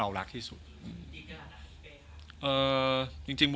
จะรักเธอเพียงคนเดียว